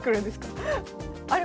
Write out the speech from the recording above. あれ？